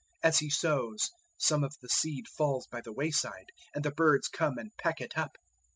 004:004 As he sows, some of the seed falls by the way side, and the birds come and peck it up.